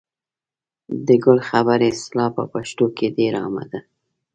د ګل خبرې اصطلاح په پښتو کې ډېره عامه ده.